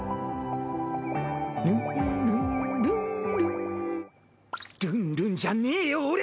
「るんるん」じゃねぇよ俺！